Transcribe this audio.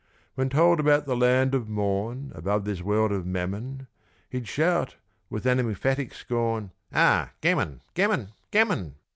When told about the Land of Morn Above this world of Mammon, He'd shout, with an emphatic scorn, "Ah, gammon, gammon, gammon!"